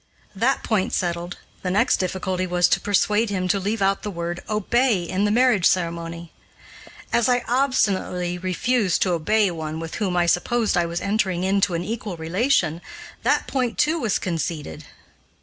That point settled, the next difficulty was to persuade him to leave out the word "obey" in the marriage ceremony. As I obstinately refused to obey one with whom I supposed I was entering into an equal relation, that point, too, was conceded.